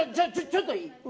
ちょっといい。